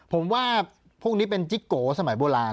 ผมว่าพวกนี้เป็นจิ๊กโกสมัยโบราณ